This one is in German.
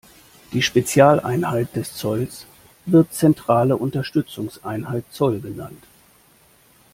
Die Spezialeinheit des Zolls wird Zentrale Unterstützungseinheit Zoll genannt.